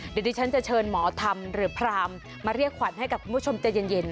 เดี๋ยวดิฉันจะเชิญหมอธรรมหรือพรามมาเรียกขวัญให้กับคุณผู้ชมใจเย็น